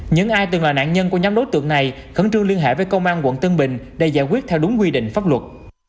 những ai từng là nạn nhân của nhóm đối tượng này khẩn trương liên hệ với công an quận tân bình để giải quyết theo đúng quy định pháp luật